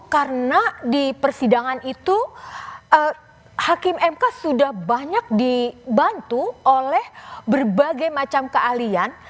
karena di persidangan itu hakim mk sudah banyak dibantu oleh berbagai macam kealian